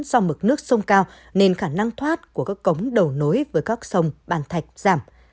do mực nước sông cao nên khả năng thoát của các cống đầu nối với các sông bàn thạch giảm